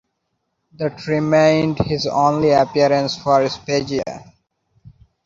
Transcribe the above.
That remained his only appearance for Spezia.